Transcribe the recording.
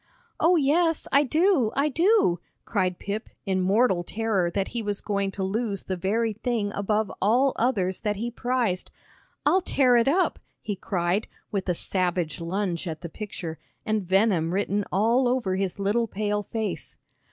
"Oh, yes, I do, I do," cried Pip, in mortal terror that he was going to lose the very thing above all others that he prized. "I'll tear it up," he cried, with a savage lunge at the picture, and venom written all over his little pale face.